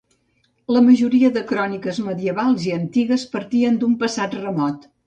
La majoria de cròniques medievals i antigues partien d'un passat remot.